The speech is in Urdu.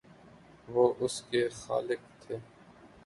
وہ اس کے خالق تھے۔